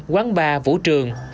quán bar vũ trường